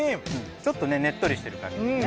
ちょっとねねっとりしてる感じですね。